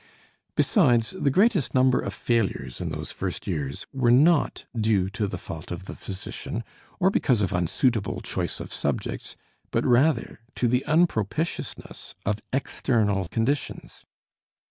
Besides, the greatest number of failures in those first years were not due to the fault of the physician or because of unsuitable choice of subjects, but rather to the unpropitiousness of external conditions.